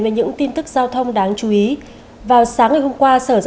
với những người dân nơi đây